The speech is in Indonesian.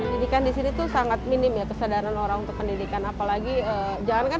pendidikan di sini tuh sangat minim ya kesadaran orang untuk pendidikan apalagi jangankan